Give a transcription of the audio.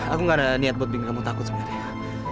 aku gak ada niat buat bikin kamu takut sebenarnya